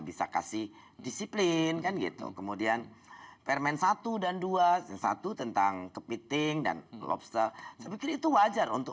bisa kasih disiplin kan gitu kemudian permen satu dan dua satu tentang kepiting dan lobster saya pikir itu wajar untuk